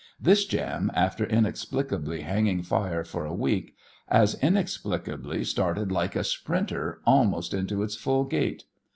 This jam, after inexplicably hanging fire for a week, as inexplicably started like a sprinter almost into its full gait.